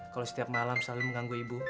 kalau setiap malam selalu mengganggu ibu